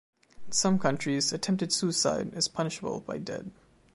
In some countries, attempted suicide is punishable by dead.